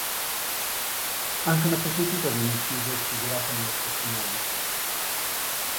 Anche una prostituta viene uccisa e sfigurata nello stesso modo.